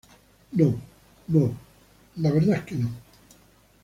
no. no, la verdad es que no.